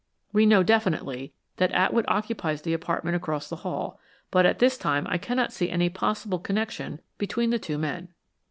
We know definitely that Atwood occupies the apartment across the hall, but at this time I cannot see any possible connection between the two men.